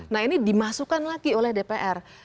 nah ini dimasukkan lagi oleh dpr